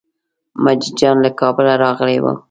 مجید جان له کابله راغلی و.